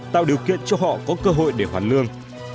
tạo điều kiện cho họ có cơ hội để hoàn lương